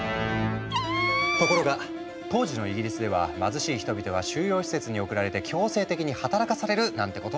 ところが当時のイギリスでは貧しい人々が収容施設に送られて強制的に働かされるなんてこともあった。